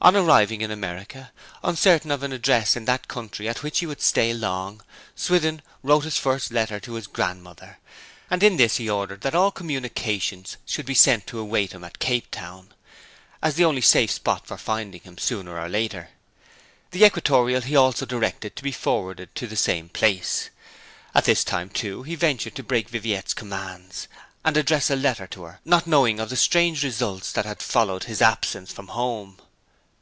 On arriving in America, uncertain of an address in that country at which he would stay long, Swithin wrote his first letter to his grandmother; and in this he ordered that all communications should be sent to await him at Cape Town, as the only safe spot for finding him, sooner or later. The equatorial he also directed to be forwarded to the same place. At this time, too, he ventured to break Viviette's commands, and address a letter to her, not knowing of the strange results that had followed his absence from home.